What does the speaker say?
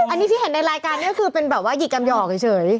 อันนี้ที่เห็นในรายการนี้คือเป็นแบบว่าหยิกกำหยอกเฉย